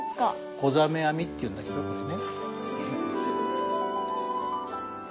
ござ目あみっていうんだけどこれね。